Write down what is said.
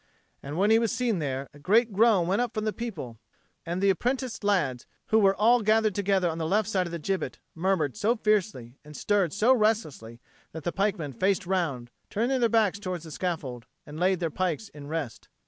And when he was seen there, a great groan went up from the people, and the apprenticed lads, who were all gathered together on the left side of the gibbet, murmured so fiercely and stirred so restlessly that the pikemen faced round, turning their backs towards the scaffold, and laid their pikes in rest.